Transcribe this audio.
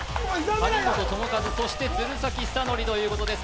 張本智和そして鶴崎修功ということです